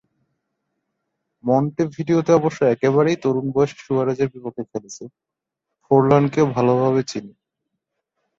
মন্টেভিডিওতে অবশ্য একেবারেই তরুণ বয়সে সুয়ারেজের বিপক্ষে খেলেছি, ফোরলানকেও ভালোভাবে চিনি।